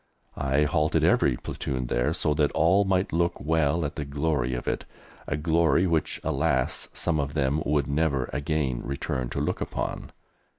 I halted every platoon there, so that all might look well at the glory of it a glory which, alas, some of them would never again return to look upon.